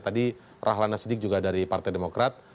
tadi rahlana sidik juga dari partai demokrat